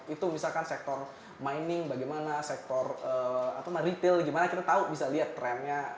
itu misalkan sektor mining bagaimana sektor retail gimana kita tahu bisa lihat trennya